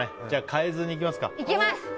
じゃあ変えずにいきますか。